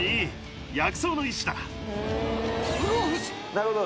なるほど。